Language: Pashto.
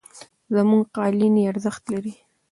زموږ قالینې ارزښت لري.